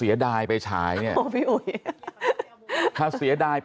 ยอดขายจะถล่มทลายกว่านี้